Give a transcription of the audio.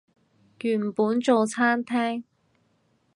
原本做餐廳